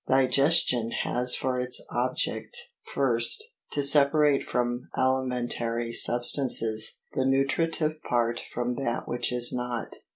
Digestion has for its object : 1st. To separate from alimentary substances the nutritive part from that which is not.